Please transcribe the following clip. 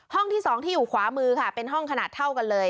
ที่๒ที่อยู่ขวามือค่ะเป็นห้องขนาดเท่ากันเลย